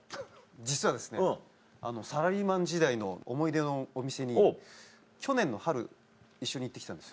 実はサラリーマン時代の思い出のお店に去年の春一緒に行って来たんですよ。